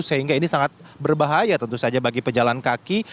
sehingga ini sangat berbahaya tentu saja bagi pejalan kaki